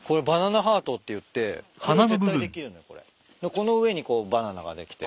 この上にこうバナナができて。